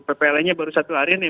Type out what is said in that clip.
ppl nya baru satu hari ini